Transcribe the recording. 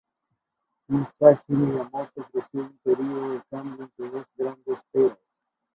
Musashi Miyamoto creció en un periodo de cambio entre dos grandes eras.